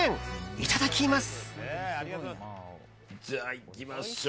いただきます。